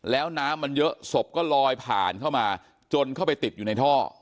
แล้วน้ำมันเยอะศพก็ลอยผ่านเข้ามาจนเข้าไปติดอยู่ในท่อ